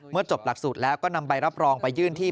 จบหลักสูตรแล้วก็นำใบรับรองไปยื่นที่